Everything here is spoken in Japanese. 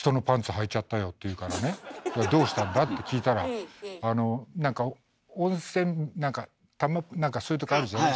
「どうしたんだ？」って聞いたらなんか温泉そういうとこあるじゃない。